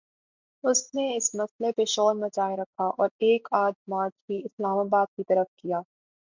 اس نے اس مسئلے پہ شور مچائے رکھا اور ایک آدھ مارچ بھی اسلام آباد کی طرف کیا۔